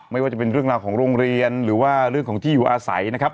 ไม่ว่าจะเป็นเรื่องราวของโรงเรียนหรือว่าเรื่องของที่อยู่อาศัยนะครับ